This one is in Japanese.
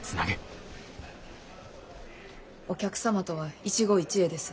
お客様とは一期一会です。